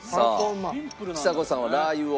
ちさ子さんはラー油を。